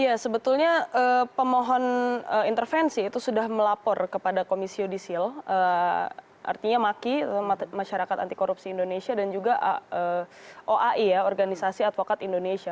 iya sebetulnya pemohon intervensi itu sudah melapor kepada komisi yudisial artinya maki masyarakat anti korupsi indonesia dan juga oai ya organisasi advokat indonesia